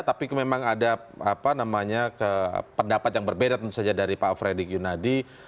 tapi memang ada pendapat yang berbeda tentu saja dari pak fredrik yunadi